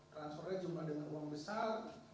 transfernya jumlah dengan uang besar